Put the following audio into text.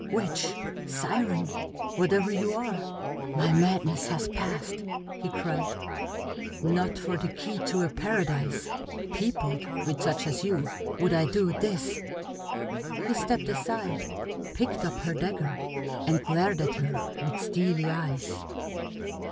Witch, siren, whatever you are, my madness has passed!" he cried. "Not for the key to a paradise peopled with such as you would I do this!" He stepped aside, picked up her dagger, and glared at her with steely eyes.